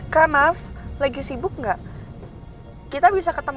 kak maf lagi sibuk gak